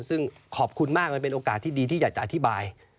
ซึ่งขอบคุณมากมันเป็นโอกาสที่ดีที่อยากจะอธิบาย